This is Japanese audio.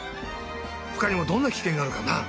ほかにもどんなキケンがあるかな？